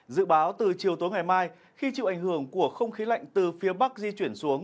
dự báo từ chiều tối ngày mai khi chịu ảnh hưởng của không khí lạnh từ phía bắc di chuyển xuống